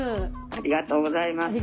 ありがとうございます。